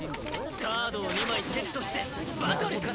カードを２枚セットしてバトル！